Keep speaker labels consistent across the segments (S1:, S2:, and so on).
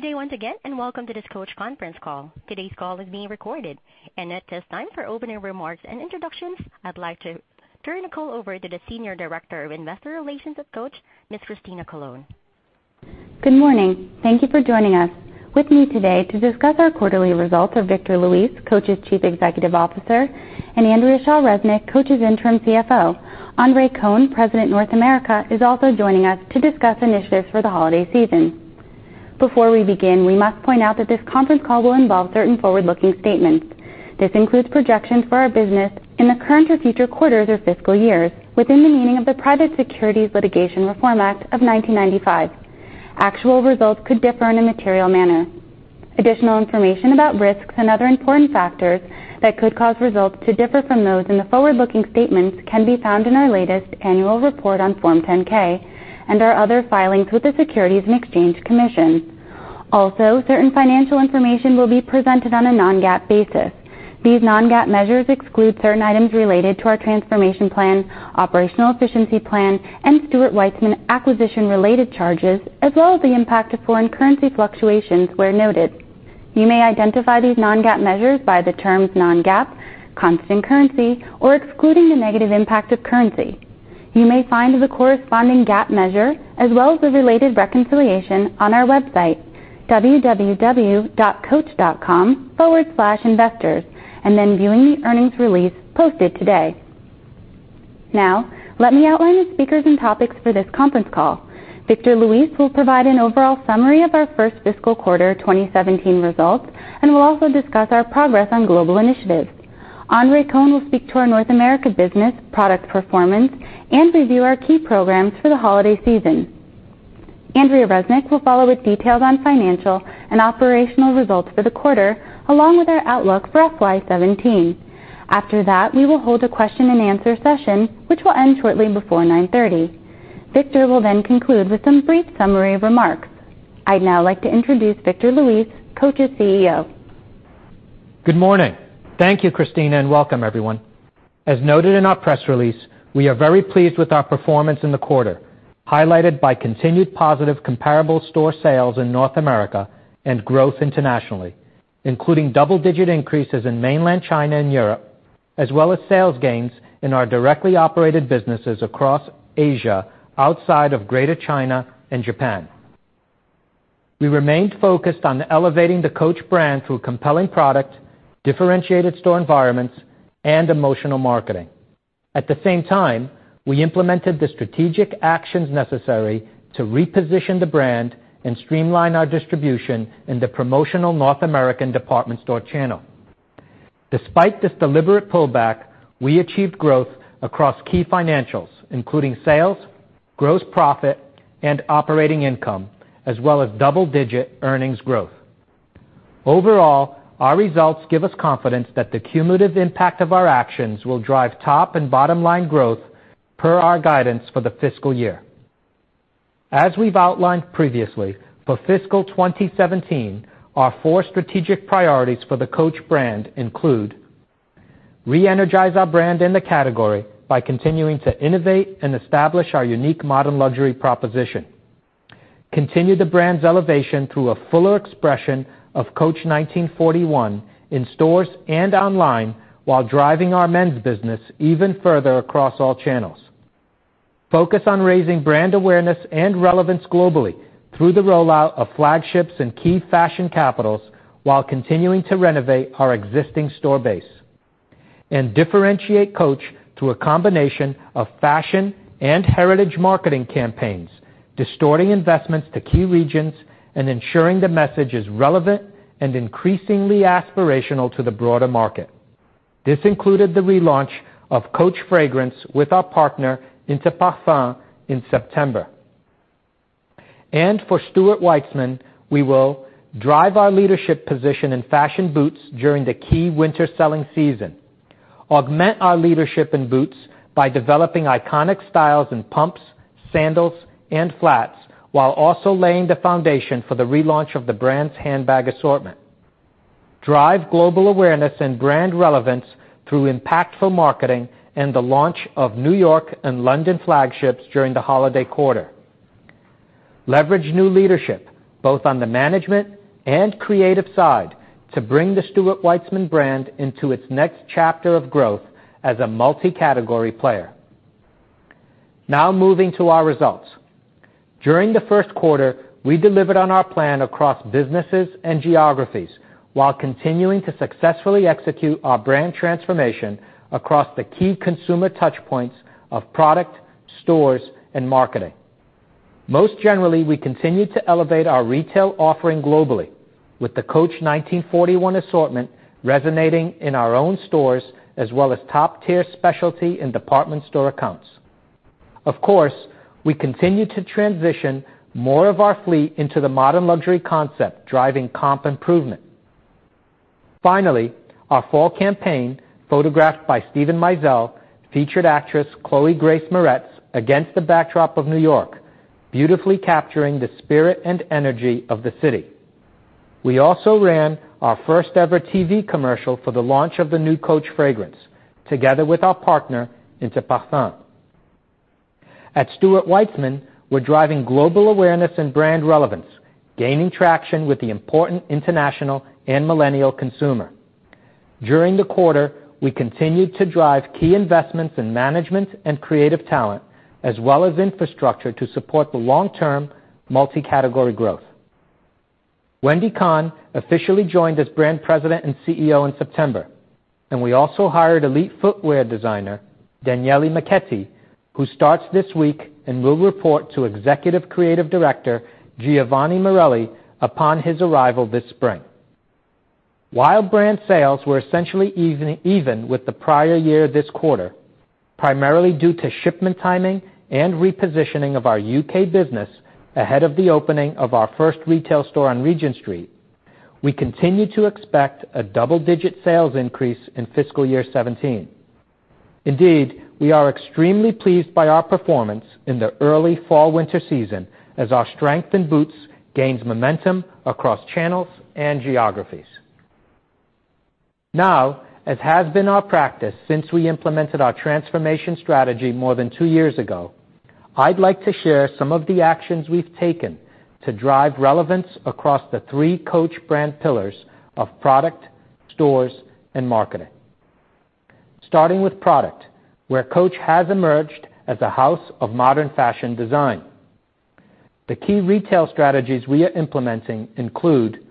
S1: Good day once again, and welcome to this Coach conference call. Today's call is being recorded. At this time, for opening remarks and introductions, I'd like to turn the call over to the Senior Director of Investor Relations at Coach, Ms. Christina Colone.
S2: Good morning. Thank you for joining us. With me today to discuss our quarterly results are Victor Luis, Coach's Chief Executive Officer, and Andrea Shaw Resnick, Coach's Interim CFO. Andre Cohen, President, North America, is also joining us to discuss initiatives for the holiday season. Before we begin, we must point out that this conference call will involve certain forward-looking statements. This includes projections for our business in the current or future quarters or fiscal years within the meaning of the Private Securities Litigation Reform Act of 1995. Actual results could differ in a material manner. Additional information about risks and other important factors that could cause results to differ from those in the forward-looking statements can be found in our latest annual report on Form 10-K, and our other filings with the Securities and Exchange Commission. Also, certain financial information will be presented on a non-GAAP basis. These non-GAAP measures exclude certain items related to our transformation plan, operational efficiency plan, and Stuart Weitzman acquisition-related charges, as well as the impact of foreign currency fluctuations where noted. You may identify these non-GAAP measures by the terms "non-GAAP," "constant currency," or "excluding the negative impact of currency." You may find the corresponding GAAP measure, as well as the related reconciliation, on our website, www.coach.com/investors, then viewing the earnings release posted today. Let me outline the speakers and topics for this conference call. Victor Luis will provide an overall summary of our first fiscal quarter 2017 results and will also discuss our progress on global initiatives. Andre Cohen will speak to our North America business, product performance, and review our key programs for the holiday season. Andrea Resnick will follow with details on financial and operational results for the quarter, along with our outlook for FY 2017. After that, we will hold a question and answer session, which will end shortly before 9:30 A.M. Victor will then conclude with some brief summary remarks. I'd now like to introduce Victor Luis, Coach's CEO.
S3: Good morning. Thank you, Christina, and welcome everyone. As noted in our press release, we are very pleased with our performance in the quarter, highlighted by continued positive comparable store sales in North America and growth internationally, including double-digit increases in Mainland China and Europe, as well as sales gains in our directly operated businesses across Asia, outside of Greater China and Japan. We remained focused on elevating the Coach brand through compelling product, differentiated store environments, and emotional marketing. At the same time, we implemented the strategic actions necessary to reposition the brand and streamline our distribution in the promotional North American department store channel. Despite this deliberate pullback, we achieved growth across key financials, including sales, gross profit, and operating income, as well as double-digit earnings growth. Overall, our results give us confidence that the cumulative impact of our actions will drive top- and bottom-line growth per our guidance for the fiscal year. As we've outlined previously, for fiscal 2017, our four strategic priorities for the Coach brand include reenergize our brand in the category by continuing to innovate and establish our unique modern luxury proposition. Continue the brand's elevation through a fuller expression of Coach 1941 in stores and online while driving our men's business even further across all channels. Focus on raising brand awareness and relevance globally through the rollout of flagships in key fashion capitals while continuing to renovate our existing store base. Differentiate Coach through a combination of fashion and heritage marketing campaigns, distorting investments to key regions, and ensuring the message is relevant and increasingly aspirational to the broader market. This included the relaunch of Coach fragrance with our partner, Inter Parfums, in September. For Stuart Weitzman, we will drive our leadership position in fashion boots during the key winter selling season, augment our leadership in boots by developing iconic styles in pumps, sandals, and flats, while also laying the foundation for the relaunch of the brand's handbag assortment. Drive global awareness and brand relevance through impactful marketing and the launch of New York and London flagships during the holiday quarter. Leverage new leadership, both on the management and creative side, to bring the Stuart Weitzman brand into its next chapter of growth as a multi-category player. Moving to our results. During the first quarter, we delivered on our plan across businesses and geographies while continuing to successfully execute our brand transformation across the key consumer touchpoints of product, stores, and marketing. Most generally, we continued to elevate our retail offering globally with the Coach 1941 assortment resonating in our own stores as well as top-tier specialty and department store accounts. Of course, we continued to transition more of our fleet into the modern luxury concept, driving comp improvement. Finally, our fall campaign, photographed by Steven Meisel, featured actress Chloë Grace Moretz against the backdrop of New York, beautifully capturing the spirit and energy of the city. We also ran our first-ever TV commercial for the launch of the new Coach fragrance, together with our partner, Inter Parfums. At Stuart Weitzman, we're driving global awareness and brand relevance, gaining traction with the important international and millennial consumer. During the quarter, we continued to drive key investments in management and creative talent, as well as infrastructure to support the long-term multi-category growth. Wendy Kahn officially joined as Brand President and CEO in September. We also hired elite footwear designer, Daniele Michetti, who starts this week and will report to Executive Creative Director Giovanni Morelli upon his arrival this spring. While brand sales were essentially even with the prior year this quarter, primarily due to shipment timing and repositioning of our U.K. business ahead of the opening of our first retail store on Regent Street, we continue to expect a double-digit sales increase in fiscal year 2017. Indeed, we are extremely pleased by our performance in the early fall/winter season as our strength in boots gains momentum across channels and geographies. As has been our practice since we implemented our transformation strategy more than two years ago, I'd like to share some of the actions we've taken to drive relevance across the three Coach brand pillars of product, stores, and marketing. Starting with product, where Coach has emerged as a house of modern fashion design. The key retail strategies we are implementing include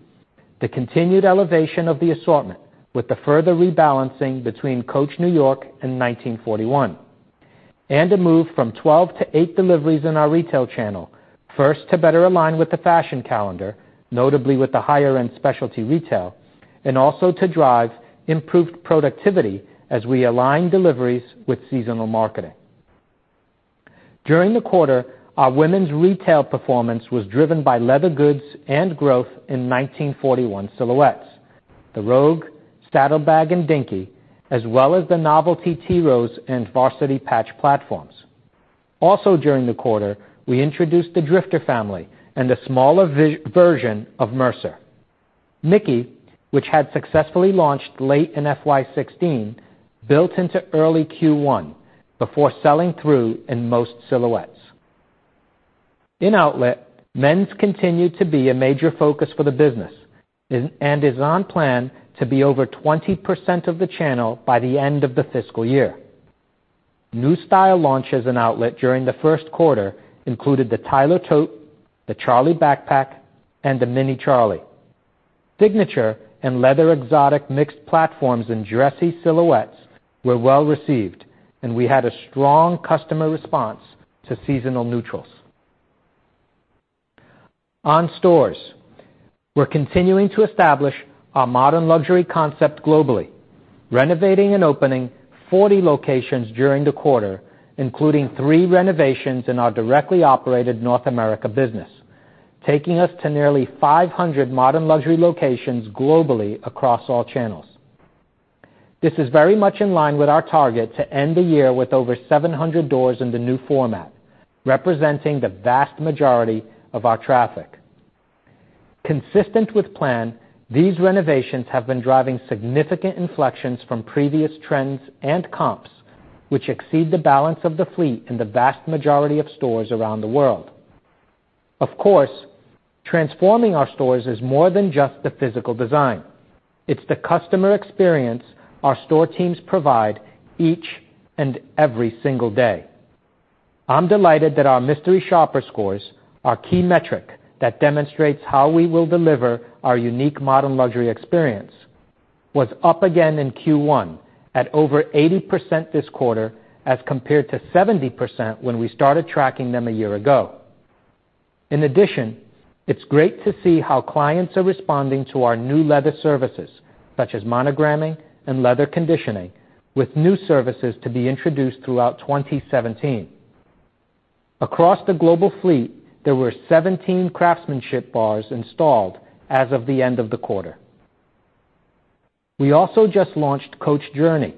S3: the continued elevation of the assortment with the further rebalancing between Coach New York and Coach 1941. A move from 12 to eight deliveries in our retail channel, first to better align with the fashion calendar, notably with the higher-end specialty retail. Also to drive improved productivity as we align deliveries with seasonal marketing. During the quarter, our women's retail performance was driven by leather goods and growth in Coach 1941 silhouettes, the Rogue, Saddle Bag, and Dinky, as well as the novelty Tea Rose and Varsity Patch platforms. Also during the quarter, we introduced the Drifter family and a smaller version of Mercer. Mickey, which had successfully launched late in FY 2016, built into early Q1 before selling through in most silhouettes. In outlet, men's continued to be a major focus for the business and is on plan to be over 20% of the channel by the end of the fiscal year. New style launches in outlet during the first quarter included the Tyler tote, the Charlie backpack, and the Mini Charlie. Signature and leather exotic mixed platforms in dressy silhouettes were well-received. We had a strong customer response to seasonal neutrals. On stores, we're continuing to establish our modern luxury concept globally, renovating and opening 40 locations during the quarter, including three renovations in our directly operated North America business, taking us to nearly 500 modern luxury locations globally across all channels. This is very much in line with our target to end the year with over 700 doors in the new format, representing the vast majority of our traffic. Consistent with plan, these renovations have been driving significant inflections from previous trends and comps, which exceed the balance of the fleet in the vast majority of stores around the world. Transforming our stores is more than just the physical design. It's the customer experience our store teams provide each and every single day. I'm delighted that our mystery shopper scores, our key metric that demonstrates how we will deliver our unique modern luxury experience, was up again in Q1 at over 80% this quarter as compared to 70% when we started tracking them a year ago. It's great to see how clients are responding to our new leather services, such as monogramming and leather conditioning, with new services to be introduced throughout 2017. Across the global fleet, there were 17 craftsmanship bars installed as of the end of the quarter. We also just launched Coach Journey,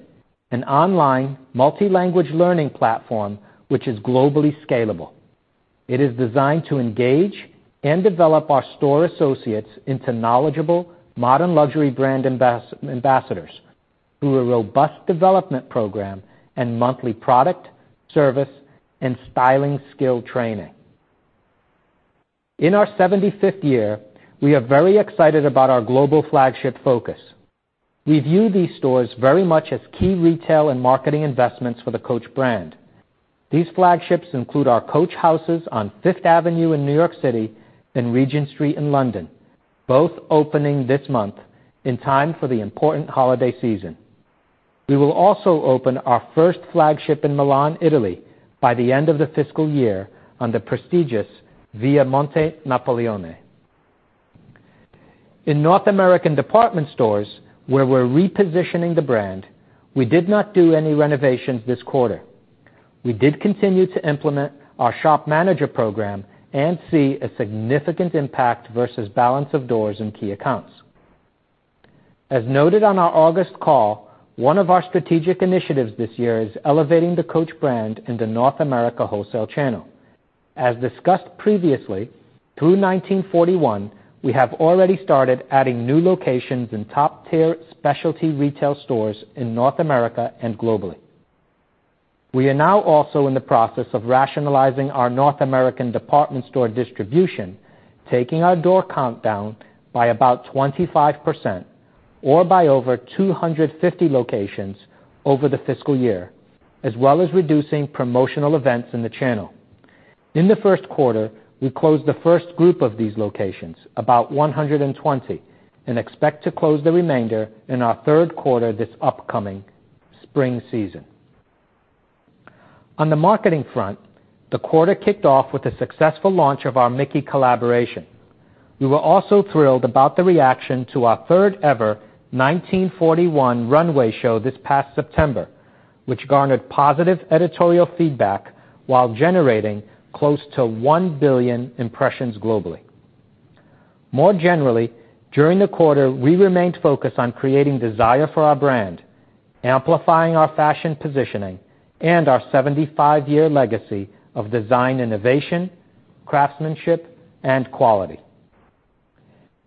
S3: an online multi-language learning platform which is globally scalable. It is designed to engage and develop our store associates into knowledgeable modern luxury brand ambassadors through a robust development program and monthly product, service, and styling skill training. In our 75th year, we are very excited about our global flagship focus. We view these stores very much as key retail and marketing investments for the Coach brand. These flagships include our Coach Houses on Fifth Avenue in New York City and Regent Street in London, both opening this month in time for the important holiday season. We will also open our first flagship in Milan, Italy by the end of the fiscal year on the prestigious Via Monte Napoleone. In North American department stores, where we're repositioning the brand, we did not do any renovations this quarter. We did continue to implement our shop manager program and see a significant impact versus balance of doors in key accounts. As noted on our August call, one of our strategic initiatives this year is elevating the Coach brand in the North America wholesale channel. As discussed previously, through Coach 1941, we have already started adding new locations in top-tier specialty retail stores in North America and globally. We are now also in the process of rationalizing our North American department store distribution, taking our door count down by about 25%, or by over 250 locations over the fiscal year, as well as reducing promotional events in the channel. In the first quarter, we closed the first group of these locations, about 120, and expect to close the remainder in our third quarter this upcoming spring season. On the marketing front, the quarter kicked off with the successful launch of our Mickey collaboration. We were also thrilled about the reaction to our third-ever Coach 1941 runway show this past September, which garnered positive editorial feedback while generating close to 1 billion impressions globally. More generally, during the quarter, we remained focused on creating desire for our brand, amplifying our fashion positioning, and our 75-year legacy of design innovation, craftsmanship, and quality.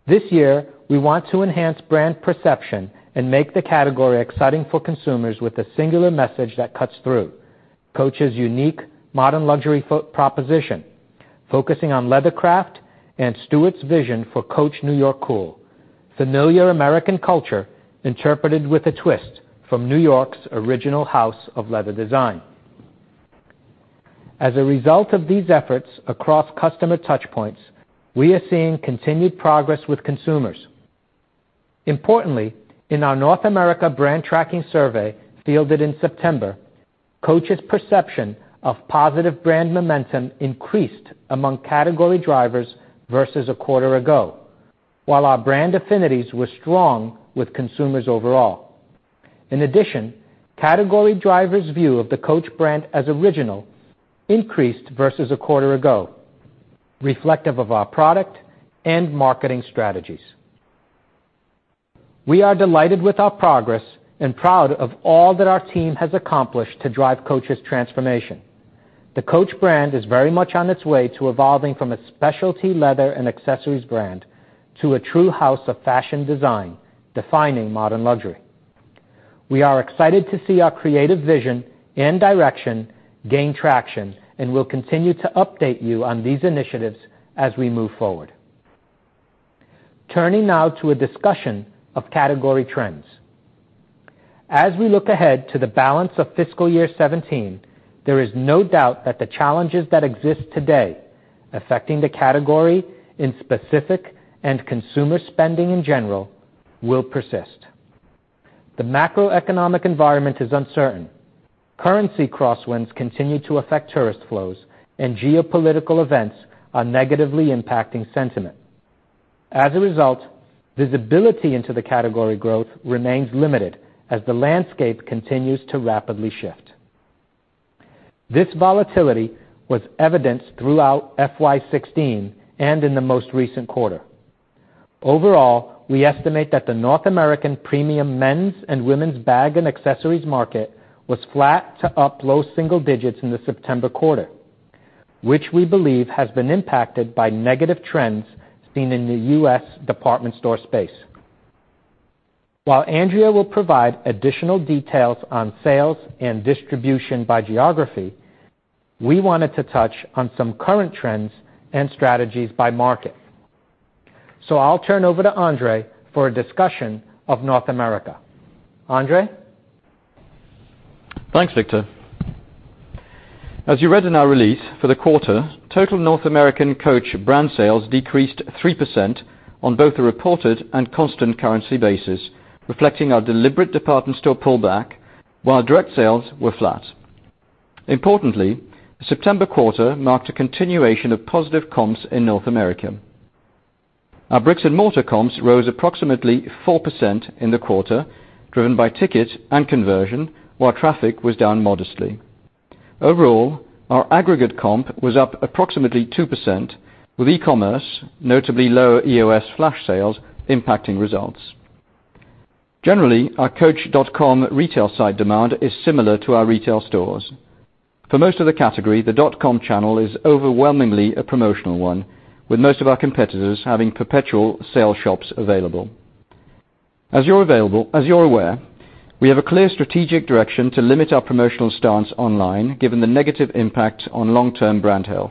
S3: This year, we want to enhance brand perception and make the category exciting for consumers with a singular message that cuts through. Coach's unique modern luxury proposition focusing on leather craft and Stuart's vision for Coach New York Cool, familiar American culture interpreted with a twist from New York's original house of leather design. As a result of these efforts across customer touchpoints, we are seeing continued progress with consumers. Importantly, in our North America brand tracking survey fielded in September, Coach's perception of positive brand momentum increased among category drivers versus a quarter ago, while our brand affinities were strong with consumers overall. In addition, category drivers' view of the Coach brand as original increased versus a quarter ago, reflective of our product and marketing strategies. We are delighted with our progress and proud of all that our team has accomplished to drive Coach's transformation. The Coach brand is very much on its way to evolving from a specialty leather and accessories brand to a true house of fashion design, defining modern luxury. We are excited to see our creative vision and direction gain traction, and we'll continue to update you on these initiatives as we move forward. Turning now to a discussion of category trends. As we look ahead to the balance of fiscal year 2017, there is no doubt that the challenges that exist today affecting the category in specific and consumer spending in general will persist. The macroeconomic environment is uncertain. Currency crosswinds continue to affect tourist flows, and geopolitical events are negatively impacting sentiment. As a result, visibility into the category growth remains limited as the landscape continues to rapidly shift. This volatility was evidenced throughout FY 2016 and in the most recent quarter. Overall, we estimate that the North American premium men's and women's bag and accessories market was flat to up low single digits in the September quarter, which we believe has been impacted by negative trends seen in the U.S. department store space. While Andrea will provide additional details on sales and distribution by geography, we wanted to touch on some current trends and strategies by market. I'll turn over to Andre for a discussion of North America. Andre?
S4: Thanks, Victor. As you read in our release for the quarter, total North American Coach brand sales decreased 3% on both a reported and constant currency basis, reflecting our deliberate department store pullback, while direct sales were flat. Importantly, the September quarter marked a continuation of positive comps in North America. Our bricks and mortar comps rose approximately 4% in the quarter, driven by ticket and conversion, while traffic was down modestly. Overall, our aggregate comp was up approximately 2% with e-commerce, notably lower EOS flash sales impacting results. Generally, our coach.com retail site demand is similar to our retail stores. For most of the category, the dot-com channel is overwhelmingly a promotional one, with most of our competitors having perpetual sale shops available. As you're aware, we have a clear strategic direction to limit our promotional stance online, given the negative impact on long-term brand health.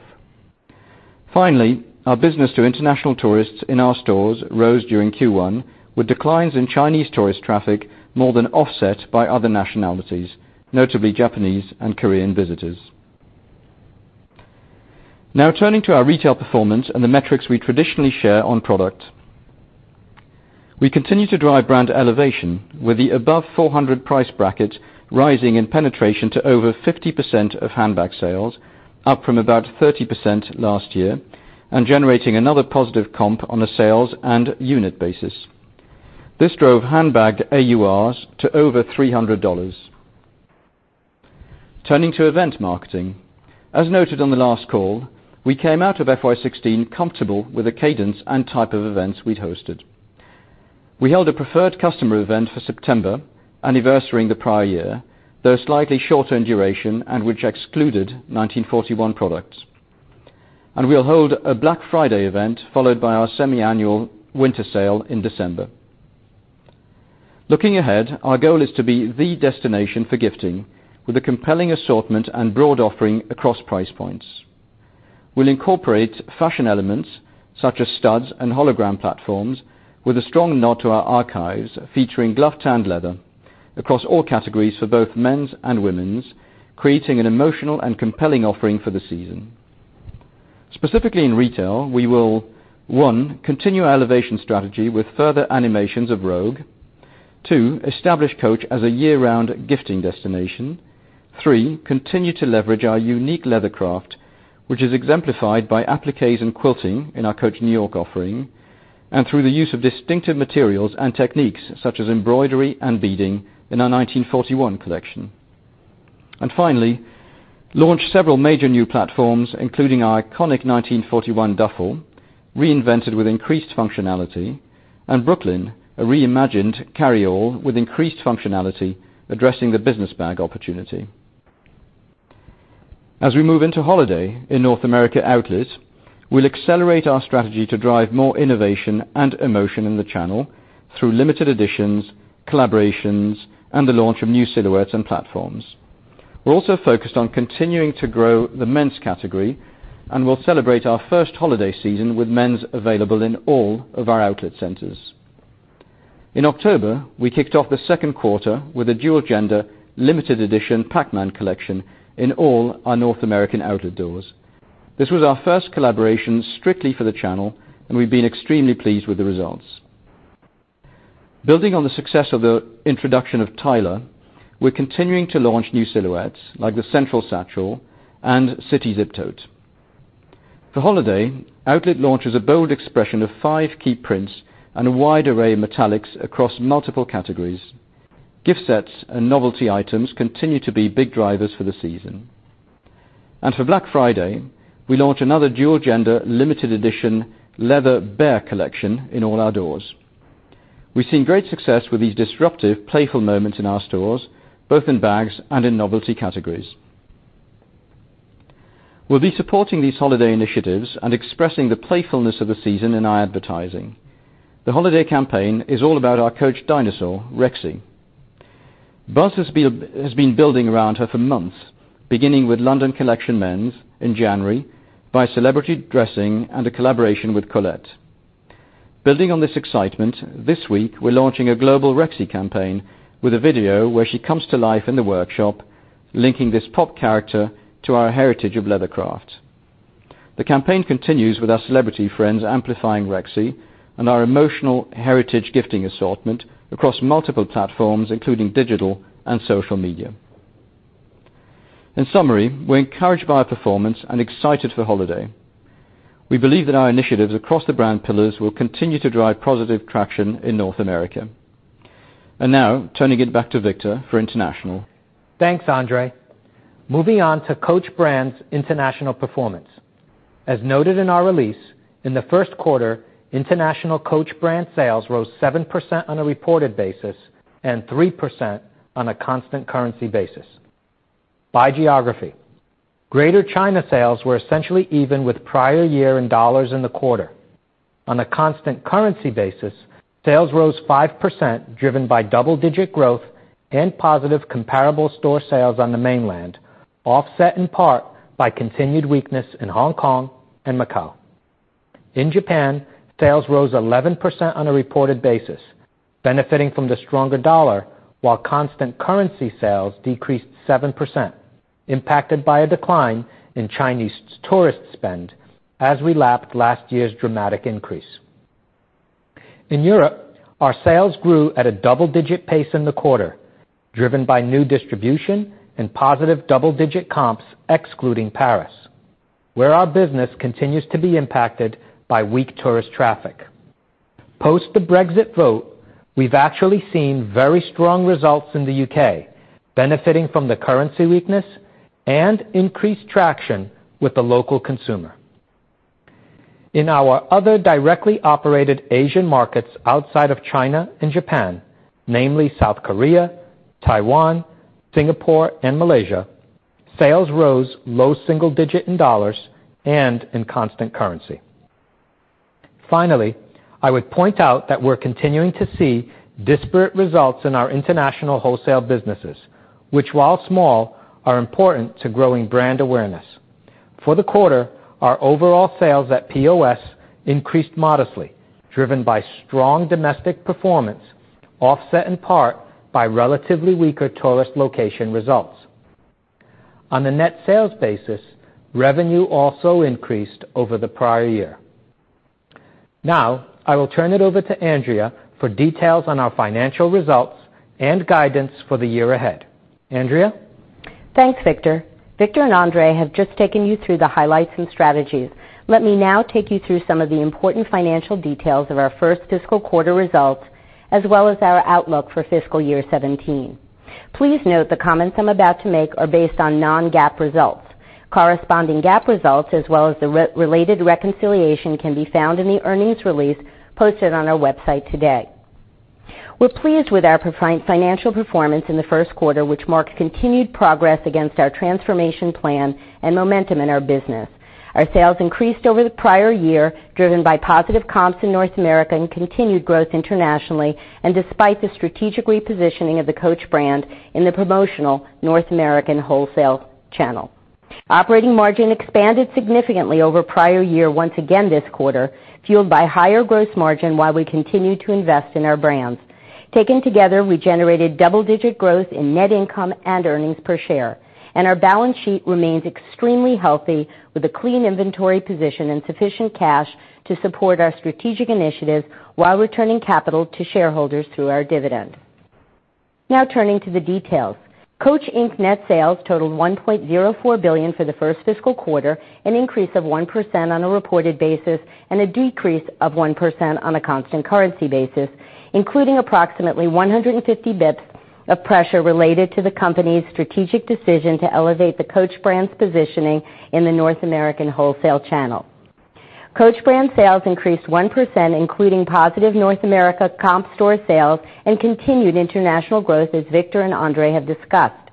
S4: Finally, our business to international tourists in our stores rose during Q1, with declines in Chinese tourist traffic more than offset by other nationalities, notably Japanese and Korean visitors. Turning to our retail performance and the metrics we traditionally share on product. We continue to drive brand elevation with the above $400 price brackets rising in penetration to over 50% of handbag sales, up from about 30% last year, and generating another positive comp on a sales and unit basis. This drove handbag AURs to over $300. Turning to event marketing. As noted on the last call, we came out of FY 2016 comfortable with the cadence and type of events we'd hosted. We held a preferred customer event for September, anniversarying the prior year, though slightly shorter in duration, and which excluded 1941 products. We'll hold a Black Friday event followed by our semi-annual winter sale in December. Looking ahead, our goal is to be the destination for gifting with a compelling assortment and broad offering across price points. We'll incorporate fashion elements such as studs and hologram platforms with a strong nod to our archives, featuring glove-tanned leather across all categories for both men's and women's, creating an emotional and compelling offering for the season. Specifically in retail, we will, 1, continue our elevation strategy with further animations of Rogue. 2, establish Coach as a year-round gifting destination. 3, continue to leverage our unique leather craft, which is exemplified by appliques and quilting in our Coach New York offering, and through the use of distinctive materials and techniques such as embroidery and beading in our 1941 collection. Finally, launch several major new platforms, including our iconic 1941 duffle, reinvented with increased functionality, and Brooklyn, a reimagined carryall with increased functionality addressing the business bag opportunity. As we move into holiday in North America outlet, we'll accelerate our strategy to drive more innovation and emotion in the channel through limited editions, collaborations, and the launch of new silhouettes and platforms. We're also focused on continuing to grow the men's category, and we'll celebrate our first holiday season with men's available in all of our outlet centers. In October, we kicked off the second quarter with a dual-gender limited edition Pac-Man collection in all our North American outlet doors. This was our first collaboration strictly for the channel, and we've been extremely pleased with the results. Building on the success of the introduction of Tyler, we're continuing to launch new silhouettes like the Central Satchel and City Zip Tote. For holiday, outlet launch is a bold expression of five key prints and a wide array of metallics across multiple categories. Gift sets and novelty items continue to be big drivers for the season. For Black Friday, we launch another dual-gender limited edition leather bear collection in all our doors. We've seen great success with these disruptive, playful moments in our stores, both in bags and in novelty categories. We'll be supporting these holiday initiatives and expressing the playfulness of the season in our advertising. The holiday campaign is all about our Coach dinosaur, Rexy. Buzz has been building around her for months, beginning with London Collections Men in January by celebrity dressing and a collaboration with Colette. Building on this excitement, this week, we're launching a global Rexy campaign with a video where she comes to life in the workshop, linking this pop character to our heritage of leather craft. The campaign continues with our celebrity friends amplifying Rexy and our emotional Heritage Gifting assortment across multiple platforms, including digital and social media. In summary, we're encouraged by our performance and excited for holiday. We believe that our initiatives across the brand pillars will continue to drive positive traction in North America. Now, turning it back to Victor for international.
S3: Thanks, Andre. Moving on to Coach brand's international performance. As noted in our release, in the first quarter, international Coach brand sales rose 7% on a reported basis and 3% on a constant currency basis. By geography, Greater China sales were essentially even with prior year in US dollars in the quarter. On a constant currency basis, sales rose 5%, driven by double-digit growth and positive comparable store sales on the mainland, offset in part by continued weakness in Hong Kong and Macau. In Japan, sales rose 11% on a reported basis, benefiting from the stronger US dollar, while constant currency sales decreased 7%, impacted by a decline in Chinese tourist spend as we lapped last year's dramatic increase. In Europe, our sales grew at a double-digit pace in the quarter, driven by new distribution and positive double-digit comps excluding Paris, where our business continues to be impacted by weak tourist traffic. Post the Brexit vote, we've actually seen very strong results in the U.K., benefiting from the currency weakness and increased traction with the local consumer. In our other directly operated Asian markets outside of China and Japan, namely South Korea, Taiwan, Singapore, and Malaysia, sales rose low single digit in US dollars and in constant currency. Finally, I would point out that we're continuing to see disparate results in our international wholesale businesses, which, while small, are important to growing brand awareness. For the quarter, our overall sales at POS increased modestly, driven by strong domestic performance, offset in part by relatively weaker tourist location results. On a net sales basis, revenue also increased over the prior year. I will turn it over to Andrea for details on our financial results and guidance for the year ahead. Andrea?
S5: Thanks, Victor. Victor and Andre have just taken you through the highlights and strategies. Let me now take you through some of the important financial details of our first fiscal quarter results as well as our outlook for fiscal year 2017. Please note the comments I'm about to make are based on non-GAAP results. Corresponding GAAP results, as well as the related reconciliation, can be found in the earnings release posted on our website today. We're pleased with our financial performance in the first quarter, which marks continued progress against our transformation plan and momentum in our business. Our sales increased over the prior year, driven by positive comps in North America and continued growth internationally, despite the strategic repositioning of the Coach brand in the promotional North American wholesale channel. Operating margin expanded significantly over prior year once again this quarter, fueled by higher gross margin while we continue to invest in our brands. Taken together, we generated double-digit growth in net income and earnings per share, and our balance sheet remains extremely healthy with a clean inventory position and sufficient cash to support our strategic initiatives while returning capital to shareholders through our dividend. Turning to the details. Coach, Inc. net sales totaled $1.04 billion for the first fiscal quarter, an increase of 1% on a reported basis and a decrease of 1% on a constant currency basis, including approximately 150 basis points of pressure related to the company's strategic decision to elevate the Coach brand's positioning in the North American wholesale channel. Coach brand sales increased 1%, including positive North America comp store sales and continued international growth, as Victor and Andre have discussed.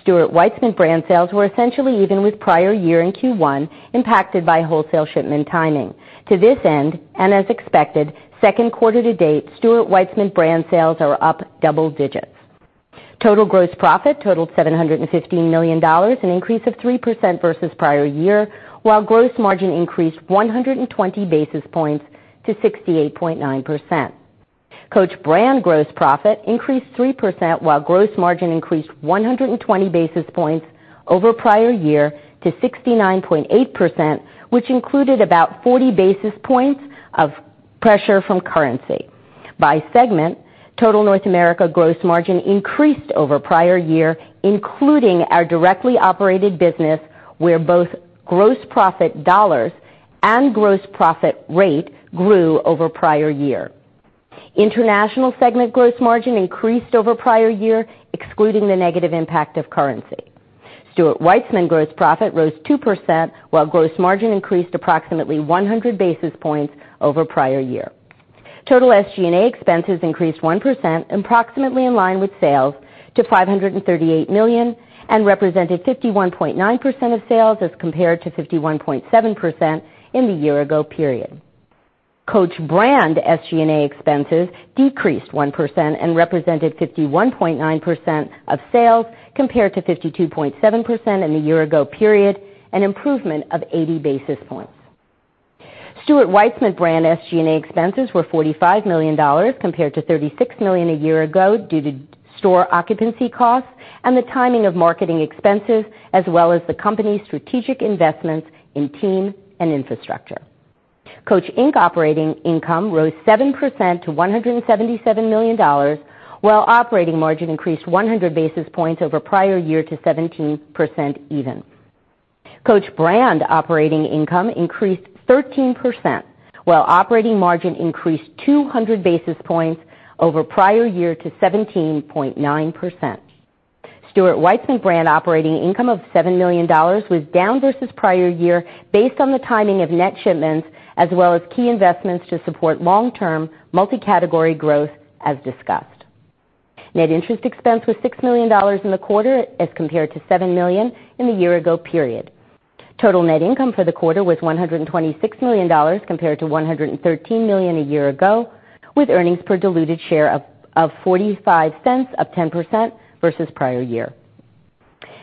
S5: Stuart Weitzman brand sales were essentially even with prior year in Q1, impacted by wholesale shipment timing. To this end, as expected, second quarter to date, Stuart Weitzman brand sales are up double digits. Total gross profit totaled $715 million, an increase of 3% versus prior year, while gross margin increased 120 basis points to 68.9%. Coach brand gross profit increased 3%, while gross margin increased 120 basis points over prior year to 69.8%, which included about 40 basis points of pressure from currency. By segment, total North America gross margin increased over prior year, including our directly operated business, where both gross profit dollars and gross profit rate grew over prior year. International segment gross margin increased over prior year, excluding the negative impact of currency. Stuart Weitzman gross profit rose 2%, while gross margin increased approximately 100 basis points over prior year. Total SG&A expenses increased 1%, approximately in line with sales to $538 million, represented 51.9% of sales as compared to 51.7% in the year ago period. Coach brand SG&A expenses decreased 1%, represented 51.9% of sales compared to 52.7% in the year ago period, an improvement of 80 basis points. Stuart Weitzman brand SG&A expenses were $45 million compared to $36 million a year ago due to store occupancy costs and the timing of marketing expenses, as well as the company's strategic investments in team and infrastructure. Coach, Inc. operating income rose 7% to $177 million, while operating margin increased 100 basis points over prior year to 17% even. Coach brand operating income increased 13%, while operating margin increased 200 basis points over prior year to 17.9%. Stuart Weitzman brand operating income of $7 million was down versus prior year based on the timing of net shipments, as well as key investments to support long-term multi-category growth, as discussed. Net interest expense was $6 million in the quarter as compared to $7 million in the year ago period. Total net income for the quarter was $126 million compared to $113 million a year ago, with earnings per diluted share of $0.45, up 10% versus prior year.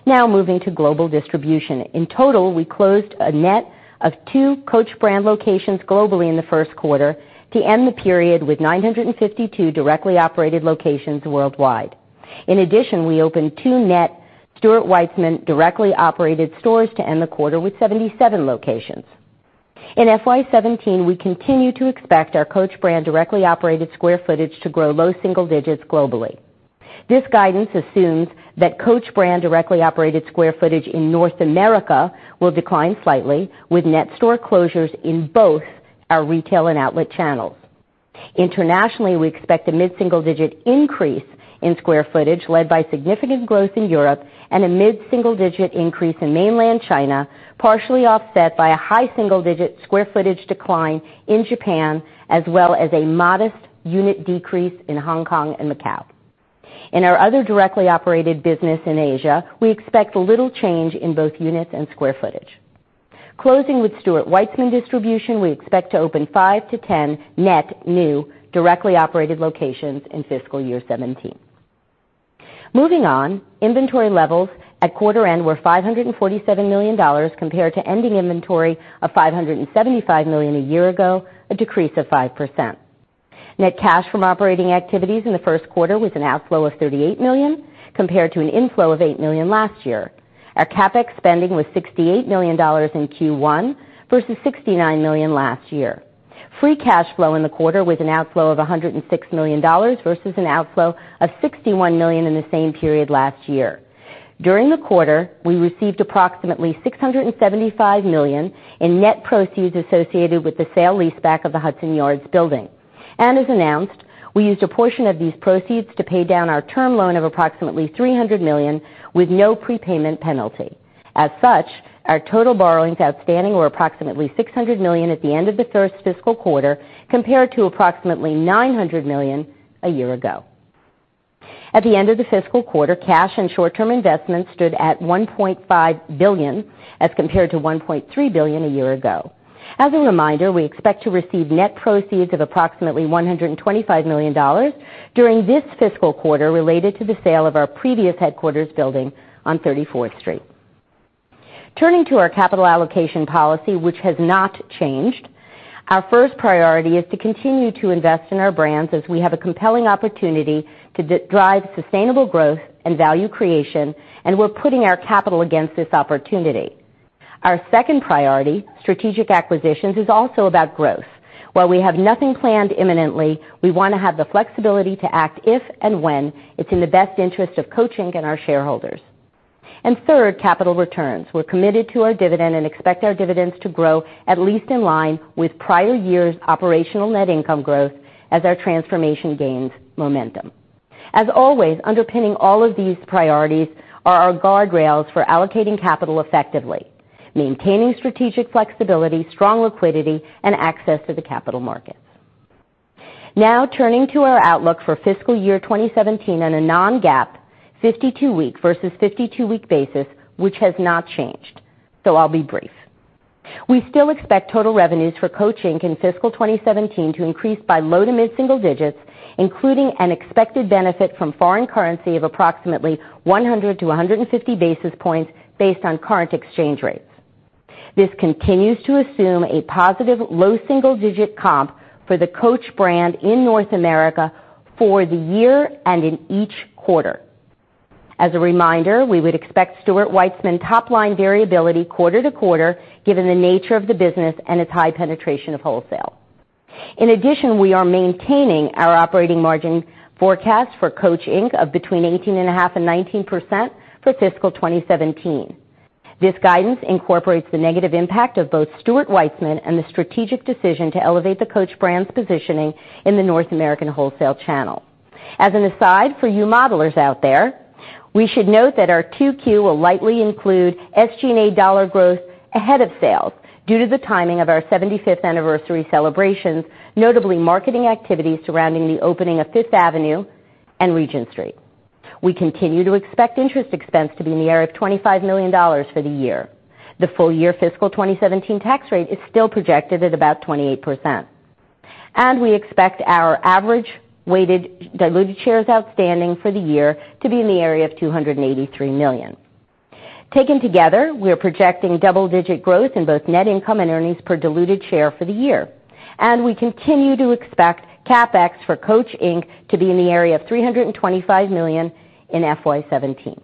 S5: Now moving to global distribution. In total, we closed a net of two Coach brand locations globally in the first quarter to end the period with 952 directly operated locations worldwide. In addition, we opened two net Stuart Weitzman directly operated stores to end the quarter with 77 locations. In FY 2017, we continue to expect our Coach brand directly operated square footage to grow low single digits globally. This guidance assumes that Coach brand directly operated square footage in North America will decline slightly, with net store closures in both our retail and outlet channels. Internationally, we expect a mid-single-digit increase in square footage led by significant growth in Europe and a mid-single-digit increase in Mainland China, partially offset by a high single-digit square footage decline in Japan, as well as a modest unit decrease in Hong Kong and Macau. In our other directly operated business in Asia, we expect little change in both units and square footage. Closing with Stuart Weitzman distribution, we expect to open 5-10 net new directly operated locations in fiscal year 2017. Moving on, inventory levels at quarter end were $547 million compared to ending inventory of $575 million a year ago, a decrease of 5%. Net cash from operating activities in the first quarter was an outflow of $38 million, compared to an inflow of $8 million last year. Our CapEx spending was $68 million in Q1 versus $69 million last year. Free cash flow in the quarter was an outflow of $106 million versus an outflow of $61 million in the same period last year. During the quarter, we received approximately $675 million in net proceeds associated with the sale-leaseback of the Hudson Yards building. As announced, we used a portion of these proceeds to pay down our term loan of approximately $300 million with no prepayment penalty. As such, our total borrowings outstanding were approximately $600 million at the end of the first fiscal quarter, compared to approximately $900 million a year ago. At the end of the fiscal quarter, cash and short-term investments stood at $1.5 billion as compared to $1.3 billion a year ago. As a reminder, we expect to receive net proceeds of approximately $125 million during this fiscal quarter related to the sale of our previous headquarters building on 34th Street. Turning to our capital allocation policy, which has not changed, our first priority is to continue to invest in our brands as we have a compelling opportunity to drive sustainable growth and value creation. We're putting our capital against this opportunity. Our second priority, strategic acquisitions, is also about growth. While we have nothing planned imminently, we want to have the flexibility to act if and when it's in the best interest of Coach, Inc. and our shareholders. Third, capital returns. We're committed to our dividend and expect our dividends to grow at least in line with prior year's operational net income growth as our transformation gains momentum. As always, underpinning all of these priorities are our guardrails for allocating capital effectively, maintaining strategic flexibility, strong liquidity, and access to the capital markets. Turning to our outlook for fiscal year 2017 on a non-GAAP 52-week versus 52-week basis, which has not changed. I'll be brief. We still expect total revenues for Coach, Inc. in fiscal 2017 to increase by low to mid-single digits, including an expected benefit from foreign currency of approximately 100 to 150 basis points based on current exchange rates. This continues to assume a positive low single-digit comp for the Coach brand in North America for the year and in each quarter. As a reminder, we would expect Stuart Weitzman top-line variability quarter to quarter, given the nature of the business and its high penetration of wholesale. In addition, we are maintaining our operating margin forecast for Coach, Inc. of between 18.5% and 19% for fiscal 2017. This guidance incorporates the negative impact of both Stuart Weitzman and the strategic decision to elevate the Coach brand's positioning in the North American wholesale channel. As an aside, for you modelers out there, we should note that our 2Q will lightly include SG&A dollar growth ahead of sales due to the timing of our 75th anniversary celebrations, notably marketing activities surrounding the opening of Fifth Avenue and Regent Street. We continue to expect interest expense to be in the area of $25 million for the year. The full-year fiscal 2017 tax rate is still projected at about 28%. We expect our average weighted diluted shares outstanding for the year to be in the area of $283 million. Taken together, we are projecting double-digit growth in both net income and earnings per diluted share for the year. We continue to expect CapEx for Coach, Inc. to be in the area of $325 million in FY 2017.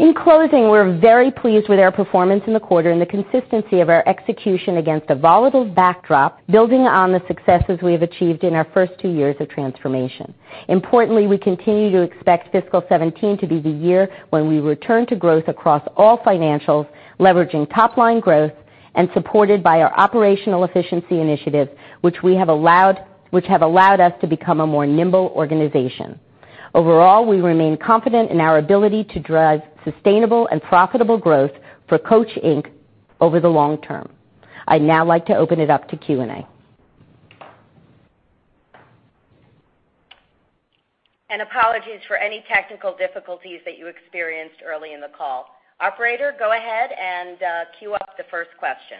S5: In closing, we're very pleased with our performance in the quarter and the consistency of our execution against a volatile backdrop, building on the successes we have achieved in our first two years of transformation. Importantly, we continue to expect fiscal 2017 to be the year when we return to growth across all financials, leveraging top-line growth and supported by our operational efficiency initiatives, which have allowed us to become a more nimble organization. Overall, we remain confident in our ability to drive sustainable and profitable growth for Coach, Inc. over the long term. I'd now like to open it up to Q&A. Apologies for any technical difficulties that you experienced early in the call. Operator, go ahead and queue up the first question.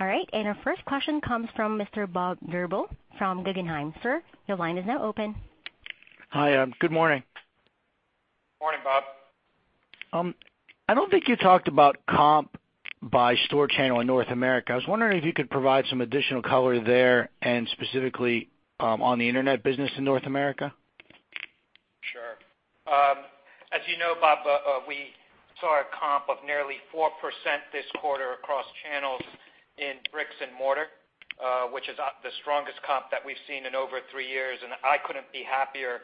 S1: All right. Our first question comes from Mr. Bob Drbul from Guggenheim. Sir, your line is now open.
S6: Hi, good morning.
S3: Morning, Bob.
S6: I don't think you talked about comp by store channel in North America. I was wondering if you could provide some additional color there, and specifically, on the internet business in North America.
S4: Sure. As you know, Bob, we saw a comp of nearly 4% this quarter across channels in bricks and mortar, which is the strongest comp that we've seen in over three years, and I couldn't be happier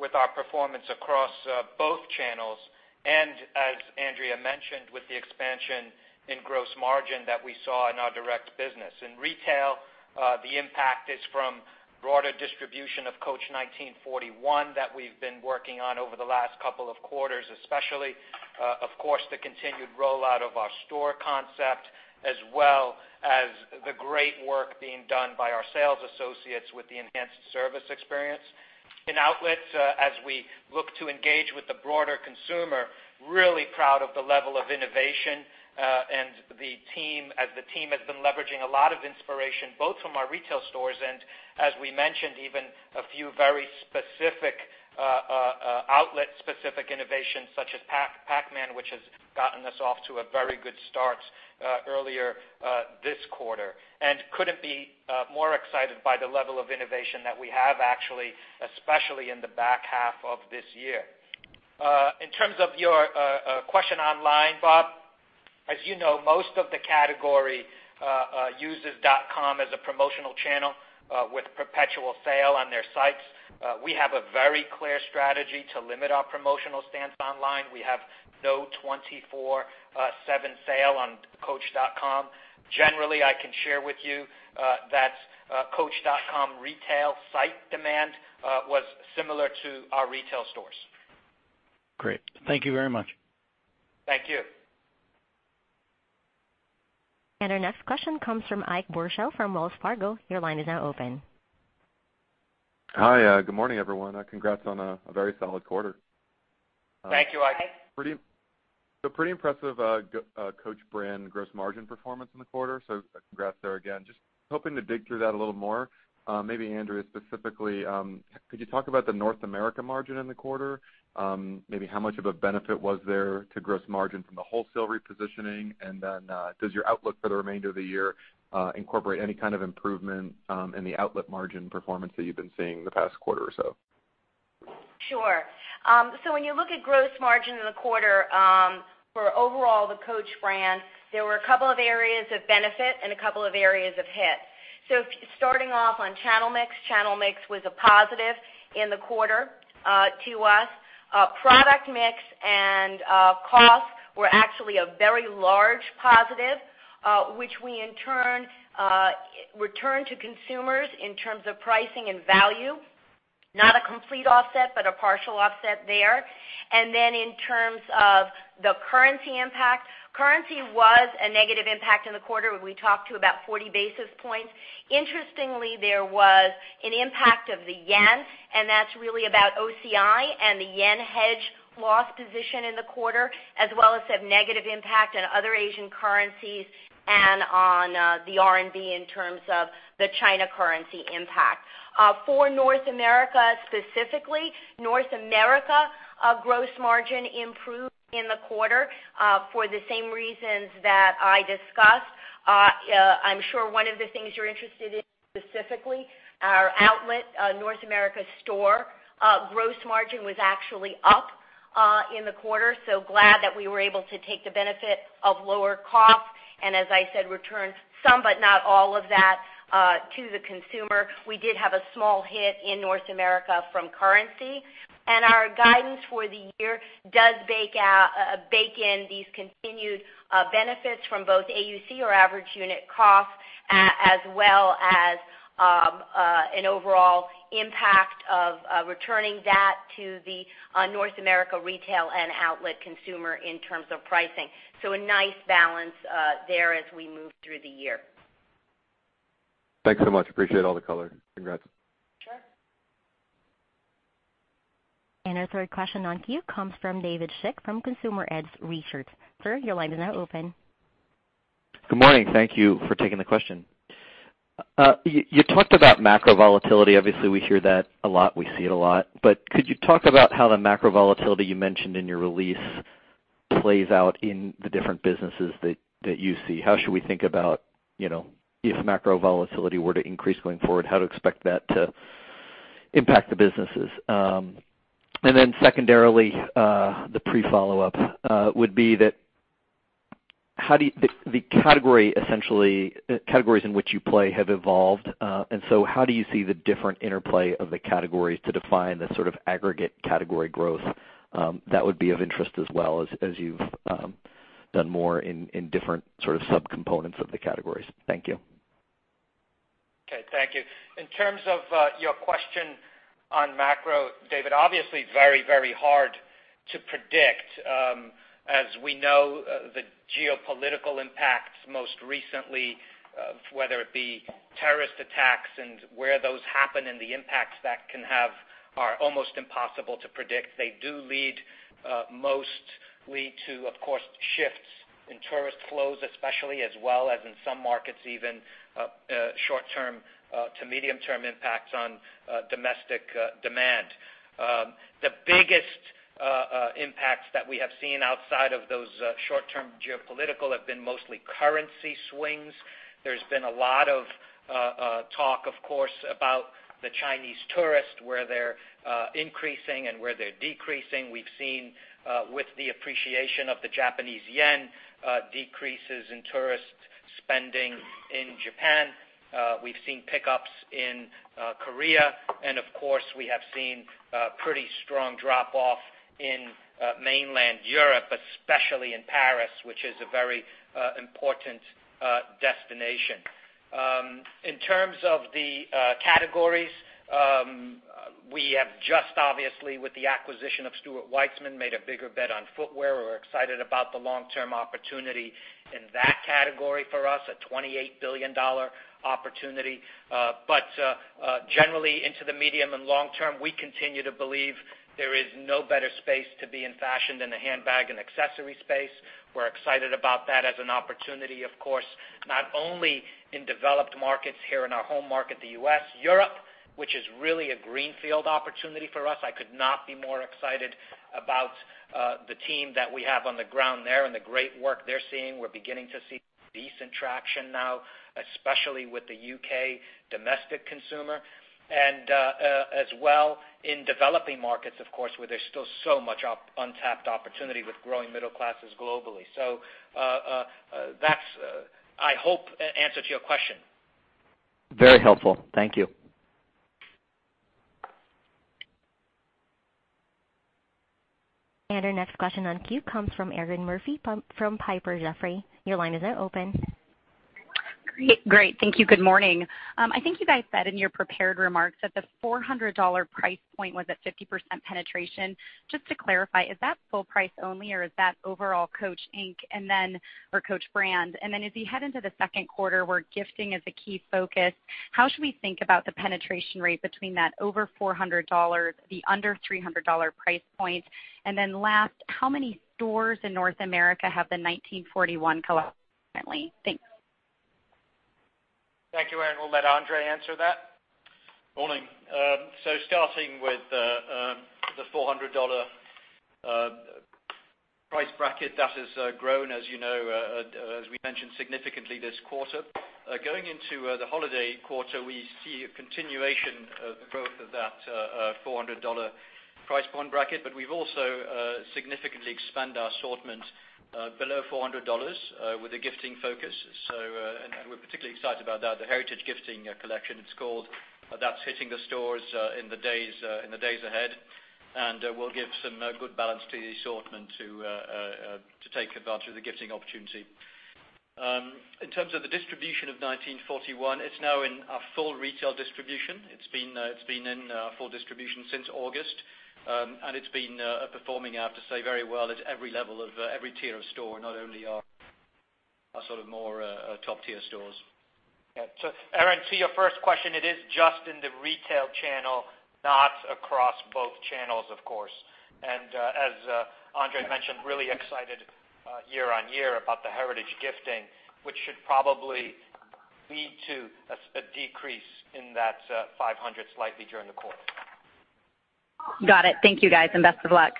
S4: with our performance across both channels, and as Andrea mentioned, with the expansion in gross margin that we saw in our direct business. In retail, the impact is from broader distribution of Coach 1941 that we've been working on over the last couple of quarters, especially, of course, the continued rollout of our store concept, as well as the great work being done by our sales associates with the enhanced service experience. In outlets, as we look to engage with the broader consumer, really proud of the level of innovation and the team, as the team has been leveraging a lot of inspiration, both from our retail stores and as we mentioned, even a few very outlet-specific innovations such as Pac-Man, which has gotten us off to a very good start earlier this quarter. Couldn't be more excited by the level of innovation that we have actually, especially in the back half of this year. In terms of your question online, Bob
S3: As you know, most of the category uses dot-com as a promotional channel with perpetual sale on their sites. We have a very clear strategy to limit our promotional stance online. We have no 24/7 sale on coach.com. Generally, I can share with you that coach.com retail site demand was similar to our retail stores.
S6: Great. Thank you very much.
S3: Thank you.
S1: Our next question comes from Ike Boruchow from Wells Fargo. Your line is now open.
S7: Hi. Good morning, everyone. Congrats on a very solid quarter.
S3: Thank you, Ike.
S7: Pretty impressive Coach brand gross margin performance in the quarter. Congrats there again. Hoping to dig through that a little more. Maybe Andrea specifically, could you talk about the North America margin in the quarter? Maybe how much of a benefit was there to gross margin from the wholesale repositioning? Then, does your outlook for the remainder of the year incorporate any kind of improvement in the outlet margin performance that you've been seeing the past quarter or so?
S5: Sure. When you look at gross margin in the quarter for overall the Coach brand, there were a couple of areas of benefit and a couple of areas of hit. Starting off on channel mix, channel mix was a positive in the quarter to us. Product mix and cost were actually a very large positive, which we in turn returned to consumers in terms of pricing and value. Not a complete offset, but a partial offset there. In terms of the currency impact, currency was a negative impact in the quarter when we talked to about 40 basis points. Interestingly, there was an impact of the yen, and that's really about OCI and the yen hedge loss position in the quarter, as well as have negative impact on other Asian currencies and on the RMB in terms of the China currency impact. For North America specifically, North America gross margin improved in the quarter for the same reasons that I discussed. I'm sure one of the things you're interested in specifically, our outlet North America store gross margin was actually up in the quarter. Glad that we were able to take the benefit of lower cost, and as I said, returned some but not all of that to the consumer. We did have a small hit in North America from currency, and our guidance for the year does bake in these continued benefits from both AUC or average unit cost, as well as an overall impact of returning that to the North America retail and outlet consumer in terms of pricing. A nice balance there as we move through the year.
S7: Thanks so much. Appreciate all the color. Congrats.
S5: Sure.
S1: Our third question in queue comes from David Schick from Consumer Edge Research. Sir, your line is now open.
S8: Good morning. Thank you for taking the question. You talked about macro volatility. Obviously, we hear that a lot. We see it a lot. Could you talk about how the macro volatility you mentioned in your release plays out in the different businesses that you see? How should we think about if macro volatility were to increase going forward, how to expect that to impact the businesses? Secondarily, the pre-follow-up would be that the categories in which you play have evolved. How do you see the different interplay of the categories to define the sort of aggregate category growth? That would be of interest as well as you've done more in different sort of subcomponents of the categories. Thank you.
S3: Okay. Thank you. In terms of your question on macro, David Schick, obviously very hard to predict. As we know, the geopolitical impacts most recently, whether it be terrorist attacks and where those happen and the impacts that can have are almost impossible to predict. They do mostly lead to, of course, shifts in tourist flows, especially as well as in some markets, even short-term to medium-term impacts on domestic demand. The biggest impacts that we have seen outside of those short-term geopolitical have been mostly currency swings. There's been a lot of talk, of course, about the Chinese tourists, where they're increasing and where they're decreasing. We've seen with the appreciation of the Japanese yen, decreases in tourist spending in Japan. We've seen pickups in Korea. Of course, we have seen a pretty strong drop-off in mainland Europe, especially in Paris, which is a very important destination. In terms of the categories, we have just obviously, with the acquisition of Stuart Weitzman, made a bigger bet on footwear. We're excited about the long-term opportunity in that category for us, a $28 billion opportunity. Generally into the medium and long term, we continue to believe there is no better space to be in fashion than the handbag and accessory space. We're excited about that as an opportunity, of course, not only in developed markets here in our home market, the U.S. and Europe, which is really a greenfield opportunity for us, I could not be more excited about the team that we have on the ground there and the great work they're seeing. We're beginning to see decent traction now, especially with the U.K. domestic consumer. As well in developing markets, of course, where there's still so much untapped opportunity with growing middle classes globally. That, I hope, answered your question. Very helpful. Thank you.
S1: Our next question on queue comes from Erinn Murphy from Piper Jaffray. Your line is now open.
S9: Great. Thank you. Good morning. I think you guys said in your prepared remarks that the $400 price point was at 50% penetration. Just to clarify, is that full price only, or is that overall Coach, Inc., and then for Coach brand? As we head into the second quarter where gifting is a key focus, how should we think about the penetration rate between that over $400, the under $300 price points? Last, how many stores in North America have the 1941 collection currently? Thanks.
S3: Thank you, Erinn. We'll let Andre answer that.
S4: Morning. Starting with the $400 price bracket, that has grown, as we mentioned, significantly this quarter. Going into the holiday quarter, we see a continuation of the growth of that $400 price point bracket, but we've also significantly expanded our assortment below $400 with a gifting focus. We're particularly excited about that. The Heritage Gifting Collection it's called. That's hitting the stores in the days ahead, and will give some good balance to the assortment to take advantage of the gifting opportunity. In terms of the distribution of 1941, it's now in our full retail distribution. It's been in our full distribution since August. It's been performing, I have to say, very well at every level of every tier of store, not only our sort of more top-tier stores.
S3: To Erinn, to your first question, it is just in the retail channel, not across both channels, of course. As Andre mentioned, really excited year-on-year about the Heritage Gifting Collection, which should probably lead to a decrease in that $500 slightly during the quarter.
S9: Got it. Thank you guys, and best of luck.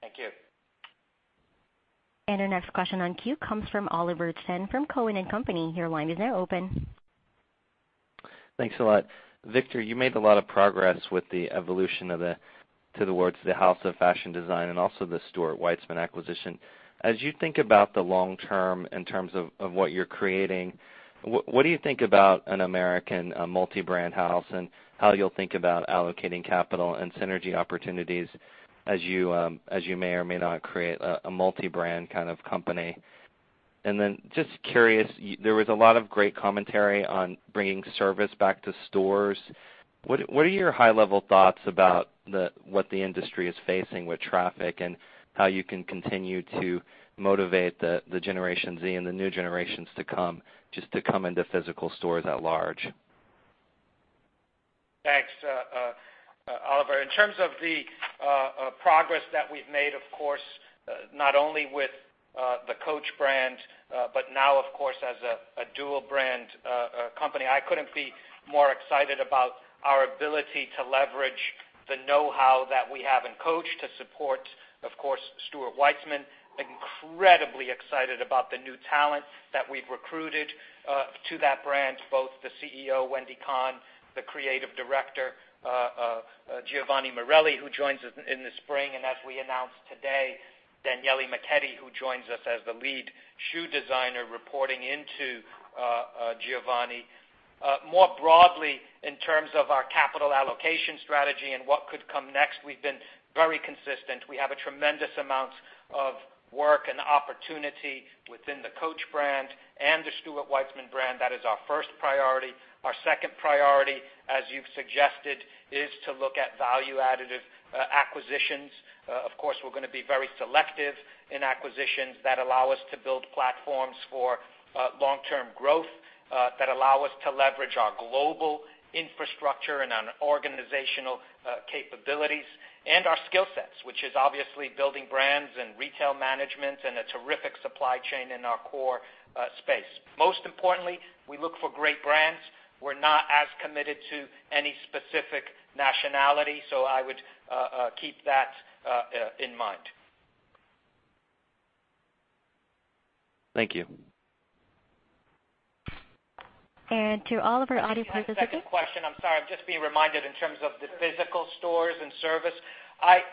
S3: Thank you.
S1: Our next question on queue comes from Oliver Chen from Cowen and Company. Your line is now open.
S10: Thanks a lot. Victor, you made a lot of progress with the evolution to the words the House of Fashion Design and also the Stuart Weitzman acquisition. As you think about the long term in terms of what you're creating, what do you think about an American multi-brand house and how you'll think about allocating capital and synergy opportunities as you may or may not create a multi-brand kind of company? Just curious, there was a lot of great commentary on bringing service back to stores. What are your high-level thoughts about what the industry is facing with traffic and how you can continue to motivate the Generation Z and the new generations to come, just to come into physical stores at large?
S3: Thanks, Oliver. In terms of the progress that we've made, of course, not only with the Coach brand, but now of course, as a dual brand company, I couldn't be more excited about our ability to leverage the knowhow that we have in Coach to support, of course, Stuart Weitzman. Incredibly excited about the new talent that we've recruited to that brand, both the CEO, Wendy Kahn, the creative director, Giovanni Morelli, who joins us in the spring, and as we announced today, Daniele Michetti, who joins us as the lead shoe designer reporting into Giovanni. More broadly, in terms of our capital allocation strategy and what could come next, we've been very consistent. We have a tremendous amount of work and opportunity within the Coach brand and the Stuart Weitzman brand. That is our first priority. Our second priority, as you've suggested, is to look at value-additive acquisitions. Of course, we're going to be very selective in acquisitions that allow us to build platforms for long-term growth, that allow us to leverage our global infrastructure and our organizational capabilities and our skill sets, which is obviously building brands and retail management and a terrific supply chain in our core space. Most importantly, we look for great brands. We're not as committed to any specific nationality, I would keep that in mind.
S10: Thank you.
S1: To all of our audience participants.
S3: My second question, I'm sorry. I'm just being reminded in terms of the physical stores and service. I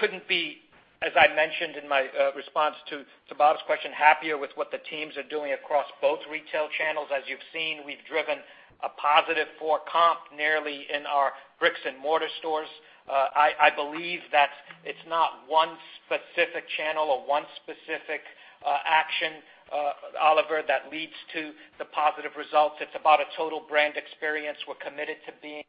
S3: couldn't be, as I mentioned in my response to Bob's question, happier with what the teams are doing across both retail channels. As you've seen, we've driven a positive four comp nearly in our bricks and mortar stores. I believe that it's not one specific channel or one specific action, Oliver, that leads to the positive results. It's about a total brand experience. We're committed to being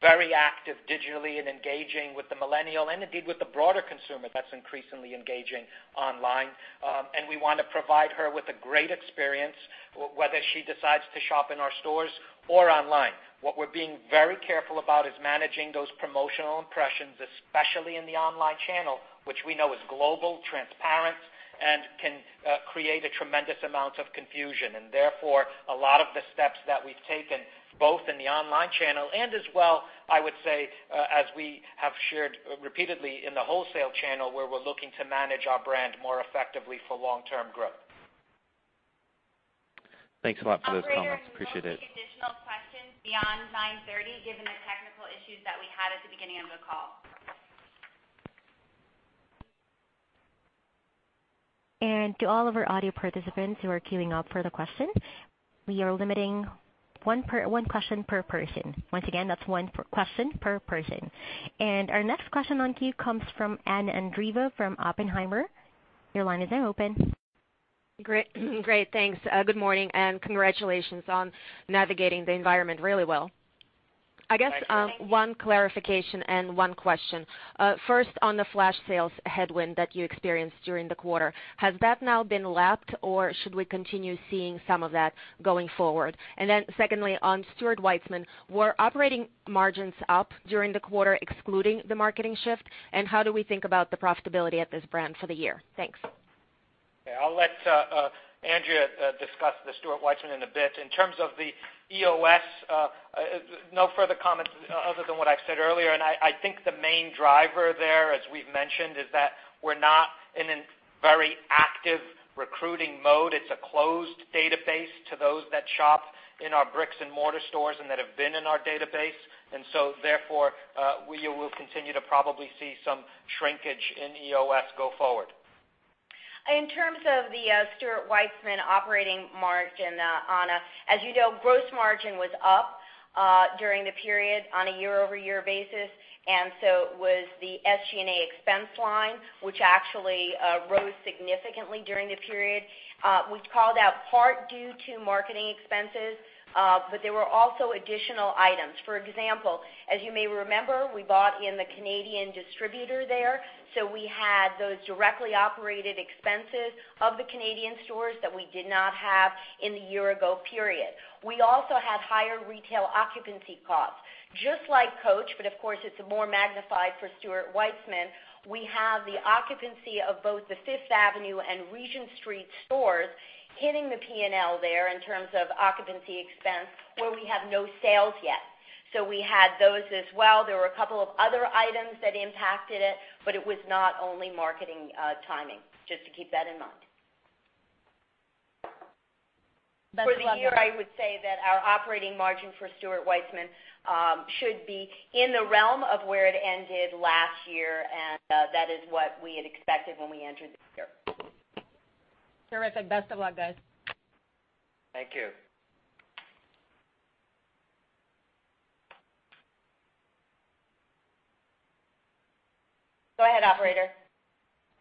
S3: very active digitally and engaging with the millennial and indeed with the broader consumer that's increasingly engaging online. We want to provide her with a great experience whether she decides to shop in our stores or online. What we're being very careful about is managing those promotional impressions, especially in the online channel, which we know is global, transparent, and can create a tremendous amount of confusion. Therefore, a lot of the steps that we've taken, both in the online channel and as well, I would say, as we have shared repeatedly in the wholesale channel, where we're looking to manage our brand more effectively for long-term growth.
S10: Thanks a lot for those comments. Appreciate it.
S2: Operators, we won't take additional questions beyond 9:30 A.M., given the technical issues that we had at the beginning of the call. To all of our audio participants who are queuing up for the questions, we are limiting one question per person. Once again, that's one question per person. Our next question on queue comes from Anna Andreeva from Oppenheimer. Your line is now open.
S11: Great, thanks. Good morning, congratulations on navigating the environment really well.
S3: Thank you.
S11: I guess one clarification and one question. First, on the flash sales headwind that you experienced during the quarter, has that now been lapped, or should we continue seeing some of that going forward? Secondly, on Stuart Weitzman, were operating margins up during the quarter excluding the marketing shift, and how do we think about the profitability at this brand for the year? Thanks.
S3: I'll let Andrea discuss the Stuart Weitzman in a bit. In terms of the EOS, no further comments other than what I've said earlier. I think the main driver there, as we've mentioned, is that we're not in a very active recruiting mode. It's a closed database to those that shop in our bricks-and-mortar stores and that have been in our database. Therefore, we will continue to probably see some shrinkage in EOS go forward.
S5: In terms of the Stuart Weitzman operating margin, Anna, as you know, gross margin was up during the period on a year-over-year basis. Was the SG&A expense line, which actually rose significantly during the period. We've called out part due to marketing expenses, but there were also additional items. For example, as you may remember, we bought in the Canadian distributor there, so we had those directly operated expenses of the Canadian stores that we did not have in the year-ago period. We also had higher retail occupancy costs. Just like Coach, but of course it's more magnified for Stuart Weitzman, we have the occupancy of both the Fifth Avenue and Regent Street stores hitting the P&L there in terms of occupancy expense, where we have no sales yet. We had those as well. There were a couple of other items that impacted it. It was not only marketing timing, just to keep that in mind.
S11: Best of luck.
S5: For the year, I would say that our operating margin for Stuart Weitzman should be in the realm of where it ended last year, and that is what we had expected when we entered this year.
S11: Terrific. Best of luck, guys.
S3: Thank you.
S5: Go ahead, operator.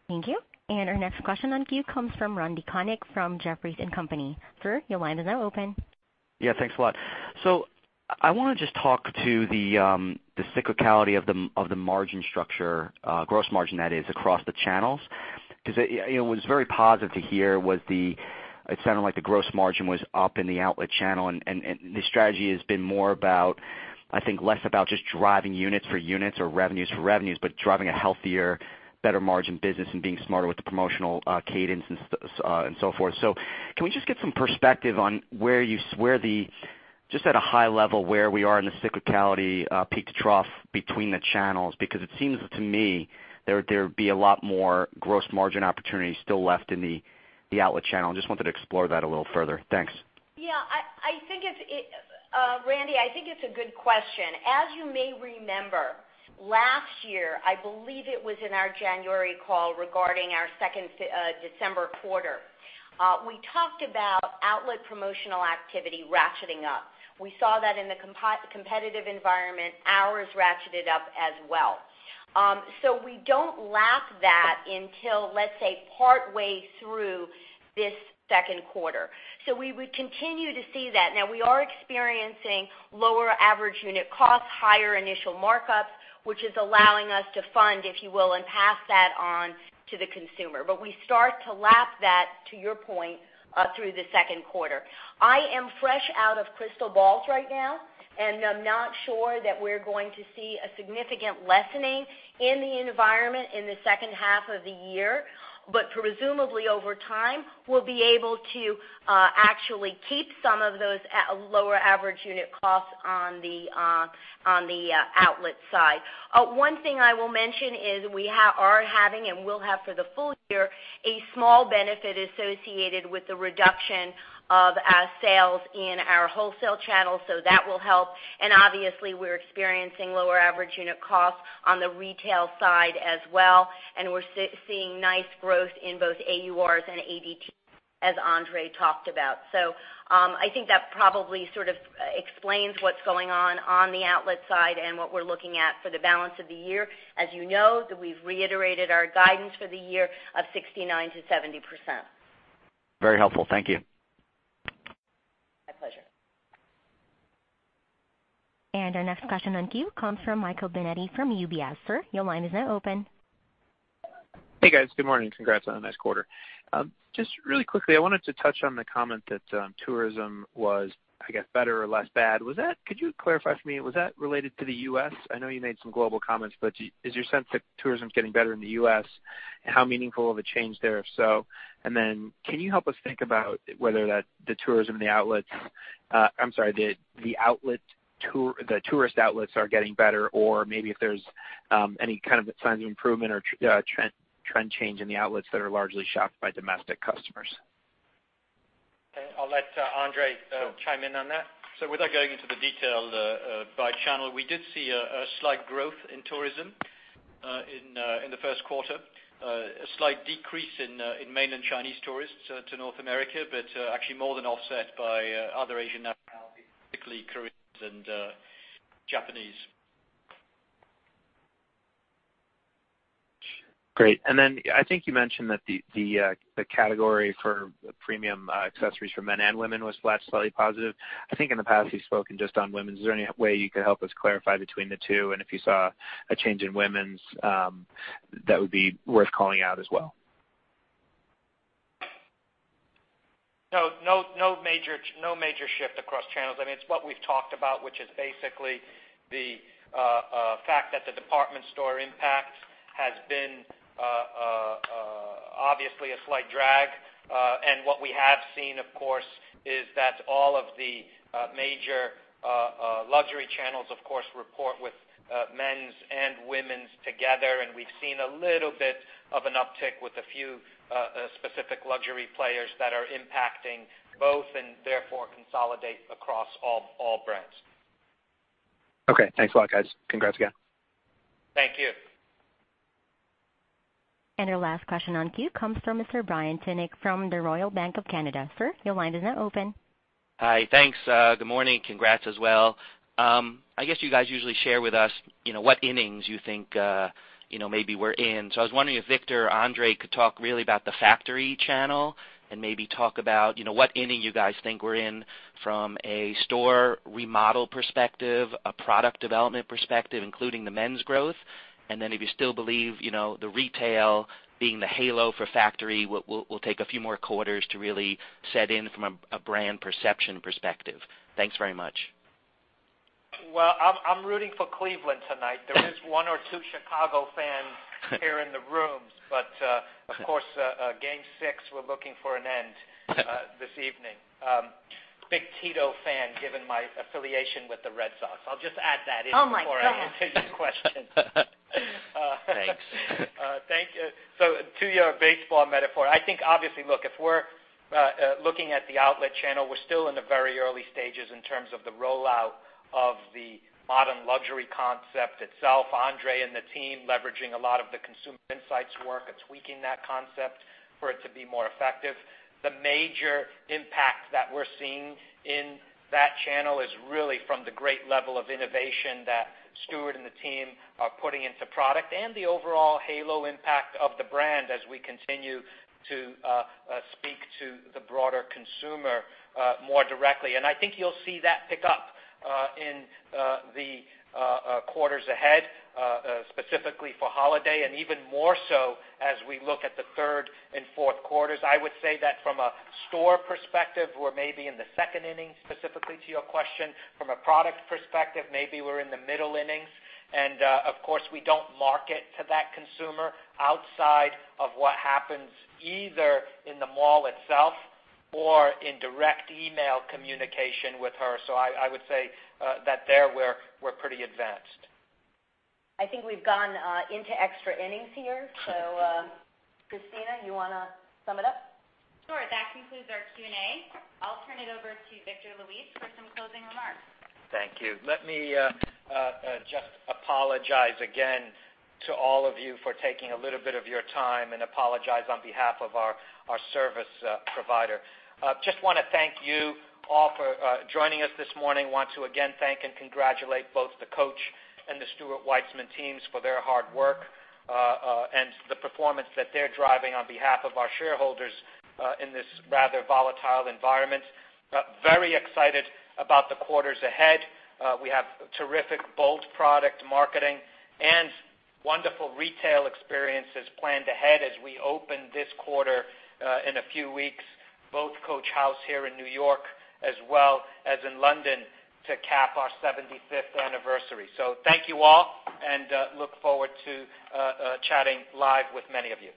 S1: Thank you. Our next question on queue comes from Randy Konik from Jefferies & Company. Sir, your line is now open.
S12: Yeah, thanks a lot. I want to just talk to the cyclicality of the margin structure, gross margin that is, across the channels. It was very positive to hear, it sounded like the gross margin was up in the outlet channel, and the strategy has been more about, I think, less about just driving units for units or revenues for revenues, but driving a healthier, better margin business and being smarter with the promotional cadence and so forth. Can we just get some perspective on, just at a high level, where we are in the cyclicality peak to trough between the channels? It seems to me there would be a lot more gross margin opportunity still left in the outlet channel. I just wanted to explore that a little further. Thanks.
S5: Yeah. Randy, I think it's a good question. As you may remember, last year, I believe it was in our January call regarding our second December quarter, we talked about outlet promotional activity ratcheting up. We saw that in the competitive environment, ours ratcheted up as well. We don't lap that until, let's say, partway through this second quarter. We would continue to see that. Now, we are experiencing lower average unit costs, higher initial markups, which is allowing us to fund, if you will, and pass that on to the consumer. We start to lap that, to your point, through the second quarter. I am fresh out of crystal balls right now, and I'm not sure that we're going to see a significant lessening in the environment in the second half of the year. Presumably over time, we'll be able to actually keep some of those at a lower average unit cost on the outlet side. One thing I will mention is we are having, and will have for the full year, a small benefit associated with the reduction of our sales in our wholesale channel, so that will help. Obviously, we're experiencing lower average unit costs on the retail side as well, and we're seeing nice growth in both AURs and ADT, as Andre talked about. I think that probably sort of explains what's going on the outlet side and what we're looking at for the balance of the year. As you know, that we've reiterated our guidance for the year of 69%-70%.
S12: Very helpful. Thank you.
S5: My pleasure.
S1: Our next question on queue comes from Michael Binetti from UBS. Sir, your line is now open.
S13: Hey, guys. Good morning. Congrats on a nice quarter. Just really quickly, I wanted to touch on the comment that tourism was, I guess, better or less bad. Could you clarify for me, was that related to the U.S.? I know you made some global comments, but is your sense that tourism's getting better in the U.S., and how meaningful of a change there, if so? Can you help us think about whether the tourist outlets are getting better or maybe if there's any kind of signs of improvement or trend change in the outlets that are largely shopped by domestic customers?
S3: I'll let Andre chime in on that.
S4: Without going into the detail by channel, we did see a slight growth in tourism in the first quarter. A slight decrease in Mainland Chinese tourists to North America, but actually more than offset by other Asian nationalities, specifically Koreans and Japanese.
S13: Great. Then I think you mentioned that the category for premium accessories for men and women was flat to slightly positive. I think in the past, you've spoken just on women's. Is there any way you could help us clarify between the two? If you saw a change in women's that would be worth calling out as well.
S3: No major shift across channels. It's what we've talked about, which is basically the fact that the department store impact has been obviously a slight drag. What we have seen, of course, is that all of the major luxury channels, of course, report with men's and women's together. We've seen a little bit of an uptick with a few specific luxury players that are impacting both and therefore consolidate across all brands.
S13: Okay. Thanks a lot, guys. Congrats again.
S3: Thank you.
S1: Our last question on queue comes from Mr. Brian Tunick from the Royal Bank of Canada. Sir, your line is now open.
S14: Hi. Thanks. Good morning. Congrats as well. I guess you guys usually share with us what innings you think maybe we're in. I was wondering if Victor or Andre could talk really about the factory channel and maybe talk about what inning you guys think we're in from a store remodel perspective, a product development perspective, including the men's growth, and then if you still believe the retail being the halo for factory will take a few more quarters to really set in from a brand perception perspective. Thanks very much.
S3: Well, I'm rooting for Cleveland tonight. There is one or two Chicago fans here in the room, but, of course, game six, we're looking for an end this evening. Big Tito fan, given my affiliation with the Red Sox. I'll just add that in before I answer your question.
S14: Thanks.
S3: Thank you. To your baseball metaphor, I think obviously, look, if we're looking at the outlet channel, we're still in the very early stages in terms of the rollout of the modern luxury concept itself. Andre and the team leveraging a lot of the consumer insights work and tweaking that concept for it to be more effective. The major impact that we're seeing in that channel is really from the great level of innovation that Stuart and the team are putting into product and the overall halo impact of the brand as we continue to speak to the broader consumer more directly. I think you'll see that pick up in the quarters ahead, specifically for holiday and even more so as we look at the third and fourth quarters. I would say that from a store perspective, we're maybe in the second inning, specifically to your question. From a product perspective, maybe we're in the middle innings. Of course, we don't market to that consumer outside of what happens either in the mall itself or in direct email communication with her. I would say that there we're pretty advanced.
S5: I think we've gone into extra innings here. Christina, you want to sum it up?
S2: Sure. That concludes our Q&A. I'll turn it over to Victor Luis for some closing remarks.
S3: Thank you. Let me just apologize again to all of you for taking a little bit of your time and apologize on behalf of our service provider. Just want to thank you all for joining us this morning. Want to again thank and congratulate both the Coach and the Stuart Weitzman teams for their hard work, and the performance that they're driving on behalf of our shareholders in this rather volatile environment. Very excited about the quarters ahead. We have terrific bold product marketing and wonderful retail experiences planned ahead as we open this quarter in a few weeks, both Coach House here in New York as well as in London to cap our 75th anniversary. Thank you all, and look forward to chatting live with many of you.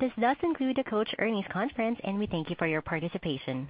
S1: This does conclude the Coach earnings conference, and we thank you for your participation.